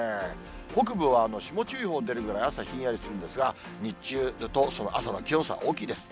北部は霜注意報出るぐらい、朝、ひんやりするんですが、日中、気温差大きいです。